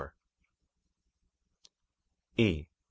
E.